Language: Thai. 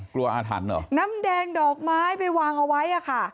กลัวอาทันหรอน้ำแดงดอกไม้ไปวางเอาไว้อ่ะค่ะ